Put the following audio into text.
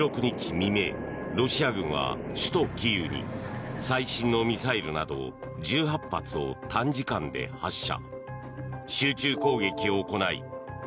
未明、ロシア軍は首都キーウに最新のミサイルなど１８発を短時間で発射。